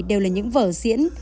đều là những vở diễn